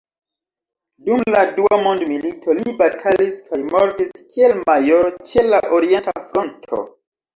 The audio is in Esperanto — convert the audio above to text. Dum la dua mondmilito li batalis kaj mortis kiel majoro ĉe la orienta fronto.